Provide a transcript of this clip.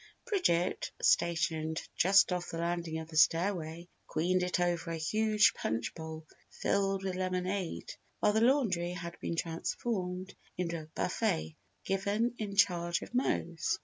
Bridget, stationed just off the landing of the stairway, queened it over a huge punch bowl filled with lemonade, while the laundry had been transformed into a buffet given in charge of Mose.